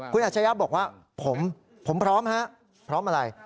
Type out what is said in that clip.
คุณอัชยะบอกว่าผมพร้อมฮะพร้อมอะไร